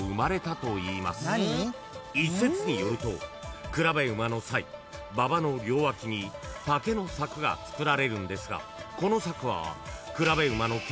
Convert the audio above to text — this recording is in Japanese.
［一説によると競馬の際馬場の両脇に竹の柵が作られるんですが競馬の］